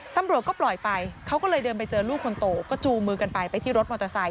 ตำรวจก็ปล่อยไปเขาก็เลยเดินไปเจอลูกคนโตก็จูงมือกันไปไปที่รถมอเตอร์ไซค